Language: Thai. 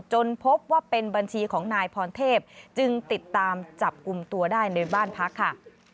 จนพบว่าเป็นบัญชีของนายพรเทพจึงติดตามจับกลุ่มตัวได้ในบ้านพักค่ะ